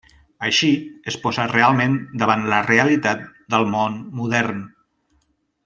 Així, es posa realment davant la realitat del món modern.